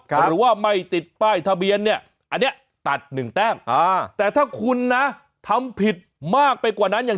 หรือว่าไม่ติดป้ายทะเบียนเนี่ยอันนี้ตัดหนึ่งแต้มแต่ถ้าคุณนะทำผิดมากไปกว่านั้นอย่าง